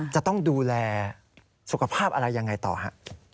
จะต้องดูแลสุขภาพอะไรยังไงต่อฮะ